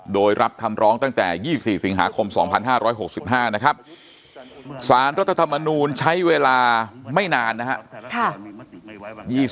โดยรับคำร้องตั้งแต่๒๔สิงหาคม๒๕๖๕นะครับสารรัฐธรรมนูลใช้เวลาไม่นานนะครับ